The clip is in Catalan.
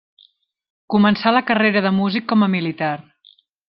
Començà la carrera de músic com a militar.